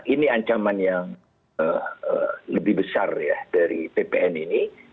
ini ancaman yang lebih besar ya dari ppn ini